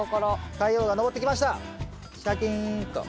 太陽が昇ってきましたシャキーンと。